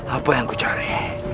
apa yang ku cari